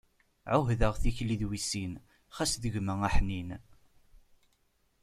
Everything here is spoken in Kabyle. Ɛuhdeɣ tikli d wissin, xas d gma aḥnin.